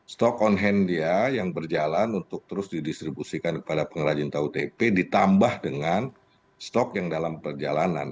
stok on hand dia yang berjalan untuk terus didistribusikan kepada pengrajin tahu tp ditambah dengan stok yang dalam perjalanan